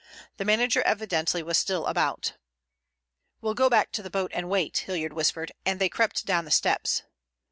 The manager evidently was still about. "We'll go back to the boat and wait," Hilliard whispered, and they crept down the steps.